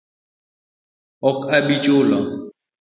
Ok abi chulo